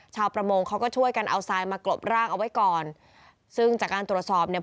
ชาวประมงเขาก็ช่วยกันเอาทรายมากรบร่างเอาไว้ก่อนซึ่งจากการตรวจสอบเนี่ย